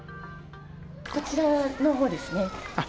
こちらのほうですね。